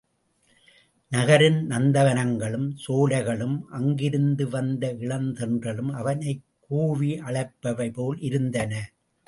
நகரின் நந்தவனங்களும், சோலைகளும், அங்கிருந்து வந்த இளந்தென்றலும் அவனைக் கூவி அழைப்பவை போல் இருந்தன.